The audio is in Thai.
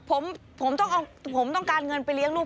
ผมผมต้องการเงินไปเลี้ยงลูก